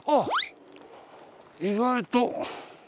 意外と。